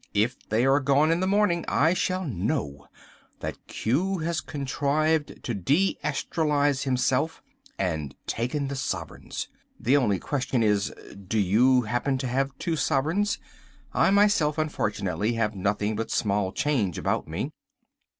If they are gone in the morning, I shall know that Q has contrived to de astralise himself, and has taken the sovereigns. The only question is, do you happen to have two sovereigns? I myself, unfortunately, have nothing but small change about me."